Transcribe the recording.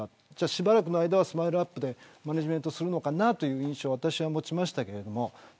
しばらくの間ＳＭＩＬＥ−ＵＰ．でマネジメントするのかなという印象を私は持ちましたけど。